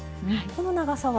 この長さは？